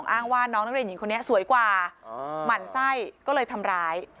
อ้างว่าน้องนักเรียนหญิงคนนี้สวยกว่าหมั่นไส้ก็เลยทำร้าย